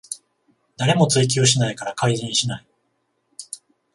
誰も追及しないから改善しない